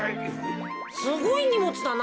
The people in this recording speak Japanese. すごいにもつだな。